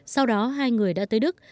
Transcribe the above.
sau đó hai người đã tới đức